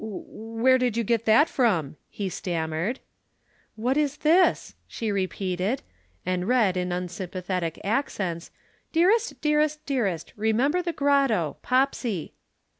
'W w here did you get that from?' he stammered. "'What is this?' she repeated, and read in unsympathetic accents: 'Dearest, dearest, dearest. Remember the grotto. POPSY.'